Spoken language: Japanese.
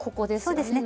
そうですね。